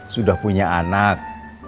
sudah punya anak